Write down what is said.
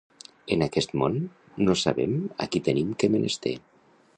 En aquest món, no sabem a qui tenim que menester.